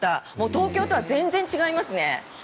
東京とは全然違いますね。